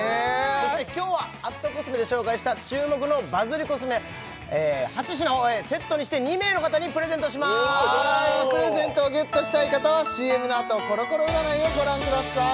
そして今日は＠ｃｏｓｍｅで紹介した注目のバズりコスメ８品をセットにして２名の方にプレゼントしますプレゼントをゲットしたい方はＣＭのあとコロコロ占いをご覧ください